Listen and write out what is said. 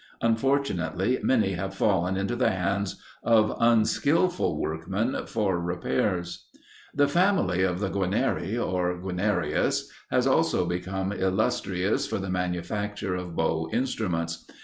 Unfortunately many have fallen into the hands of unskilful workmen for repairs. The family of the Guarnieri or Guarnerius has also become illustrious for the manufacture of bow instruments.